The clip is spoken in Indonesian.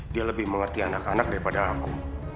dia lebih mengerti anak anak daripada aku